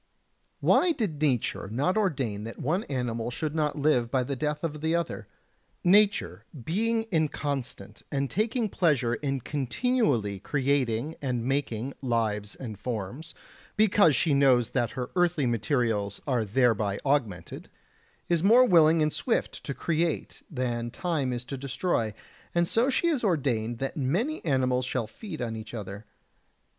67. Why did nature not ordain that one animal should not live by the death of the other? Nature, being inconstant and taking pleasure in continually creating and making lives and forms, because she knows that her earthly materials are thereby augmented, is more willing and swift to create than time is to destroy; and so she has ordained that many animals shall feed on each other.